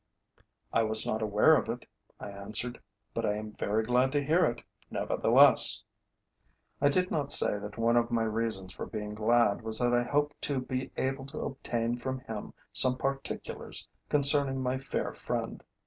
"I was not aware of it," I answered; "but I am very glad to hear it, nevertheless." I did not say that one of my reasons for being glad was that I hoped to be able to obtain from him some particulars concerning my fair friend.